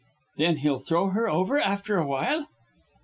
"Then he'll throw her over after a while."